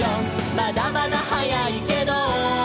「まだまだ早いけど」